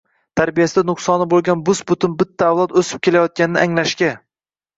tarbiyasi nuqsonli bo‘lgan bus-butun bitta avlod o‘sib kelayotganini anglashga